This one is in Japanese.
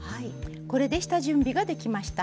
これで下準備ができました。